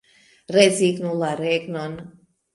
Rezignu la regnon.